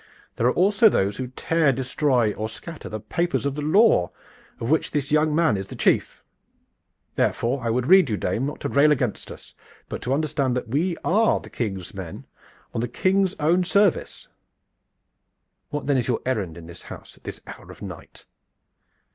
There are also those who tear, destroy or scatter the papers of the law, of which this young man is the chief. Therefore, I would rede you, dame, not to rail against us, but to understand that we are the King's men on the King's own service." "What then is your errand in this house at this hour of the night?"